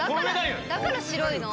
だから白いの？